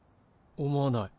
思わない。